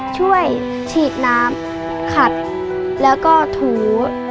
ช่วยฉีดน้ำขัดแล้วก็ถู